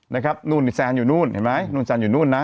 นะครับนู่นนี่แซนอยู่นู่นเห็นไหมนู่นแซนอยู่นู่นนะ